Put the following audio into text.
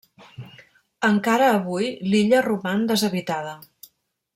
Encara avui, l'illa roman deshabitada.